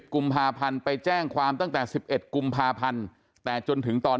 กุมภาพันธ์ไปแจ้งความตั้งแต่๑๑กุมภาพันธ์แต่จนถึงตอน